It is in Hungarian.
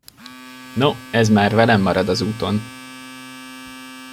No, ez már velem marad az úton!